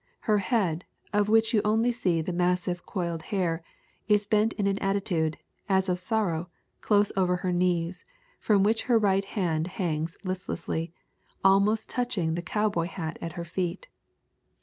Her head, of which you only see the massive coiled hair, is bent in an attitude, as of sorrow, close over her knees, from which her right hand hangs listlessly, almost touching the cowboy hat at her feet.